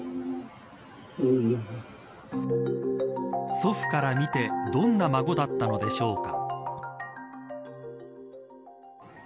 祖父から見てどんな孫だったのでしょうか。